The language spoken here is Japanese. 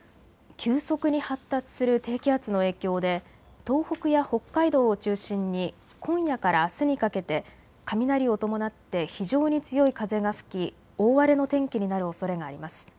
急速に発達する低気圧の影響で東北や北海道を中心に今夜からあすにかけて雷を伴って非常に強い風が吹き、大荒れの天気になるおそれがあります。